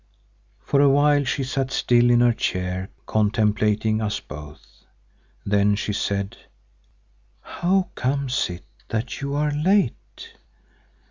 For a while she sat still in her chair contemplating us both. Then she said, "How comes it that you are late?